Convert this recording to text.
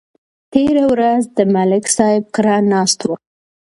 تېره ورځ د ملک صاحب کره ناست وو